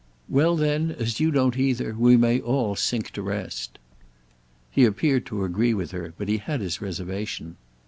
"Well, then, as you don't either, we may all sink to rest!" He appeared to agree with her, but he had his reservation.